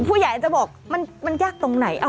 ผู้ใหญ่จะบอกมันยากตรงไหน